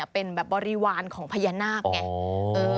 เป็นบ่อริวารของพญานาคแกะ